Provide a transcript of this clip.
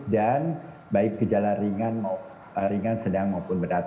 dan baik gejala ringan sedang maupun berat